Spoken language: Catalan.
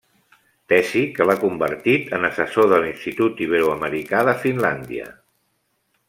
Tesi que l'ha convertit en assessor de l'Institut Iberoamericà de Finlàndia.